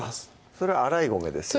それ洗い米ですよね